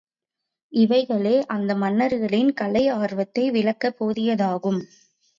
இவைகளே, அந்த மன்னர்களின் கலை ஆர்வத்தை விளக்கப் போதியதாகும்.